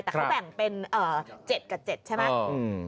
แต่เขาแบ่งเป็น๗กับ๗ใช่ไหม